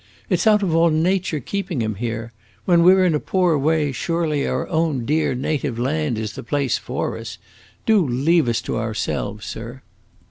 "It 's out of all nature keeping him here. When we 're in a poor way, surely our own dear native land is the place for us. Do leave us to ourselves, sir!"